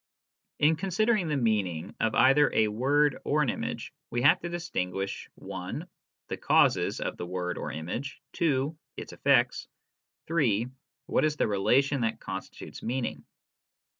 In considering the meaning of either a word or an image, we have to distinguish (1) The causes of the word or image, (2) Its effects, (3) What is the relation that constitutes meaning.